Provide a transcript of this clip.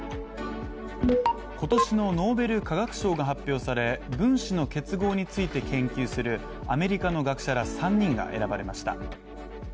今年のノーベル化学賞が発表され分子の結合について研究するアメリカの学者ら３人が選ばれました。